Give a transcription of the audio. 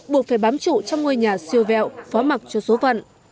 buộc phải bám chủ trong ngôi nhà siêu vẹo phó mặc cho số vận